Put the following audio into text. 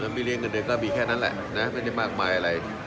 ไม่เลี้ยเงินเดือนก็มีแค่นั้นแหละนะไม่ได้มากมายอะไร